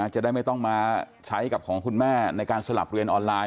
จะได้ไม่ต้องมาใช้กับของคุณแม่ในการสลับเรียนออนไลน